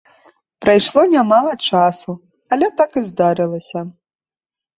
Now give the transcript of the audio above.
Прайшло нямала часу, але так і здарылася!